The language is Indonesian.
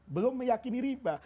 belum meyakini riba